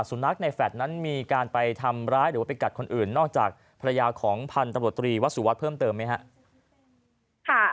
สุนัขในแฟลต์นั้นมีการไปทำร้ายหรือว่าไปกัดคนอื่นนอกจากภรรยาของพันธุ์ตำรวจตรีวัสสุวัสดิ์เพิ่มเติมไหมครับ